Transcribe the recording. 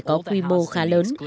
có quy mô khá lớn